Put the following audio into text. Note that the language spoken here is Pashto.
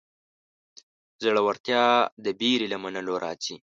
زړورتیا د وېرې له منلو راځي.